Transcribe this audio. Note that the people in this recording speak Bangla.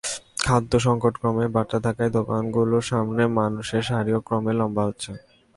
খাদ্যসংকট ক্রমেই বাড়তে থাকায় দোকানগুলোর সামনে মানুষের সারিও ক্রমেই লম্বা হচ্ছে।